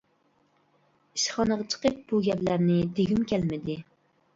ئىشخانىغا چىقىپ بۇ گەپلەرنى دېگۈم كەلمىدى.